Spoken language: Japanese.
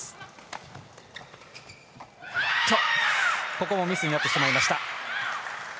ここもミスになってしまいました。